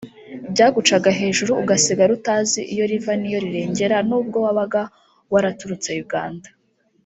byagucaga hejuru ugasigara utazi iyo riva n’iyo rirengera n’ubwo wabaga waraturutse Uganda